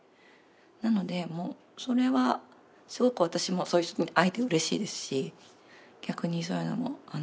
なのでもうそれはすごく私もそういう人に会えてうれしいですし逆にそういうのもやってみようかなっていう感じですね。